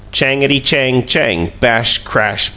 Changety, chang, chang! Bash! Crash!